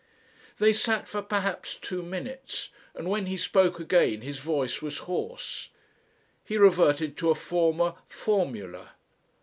They sat for perhaps two minutes, and when he spoke again his voice was hoarse. He reverted to a former formula.